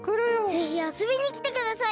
ぜひあそびにきてください。